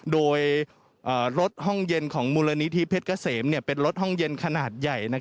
โดยรถห้องเย็นของมูลนิธิเพชรเกษมเป็นรถห้องเย็นขนาดใหญ่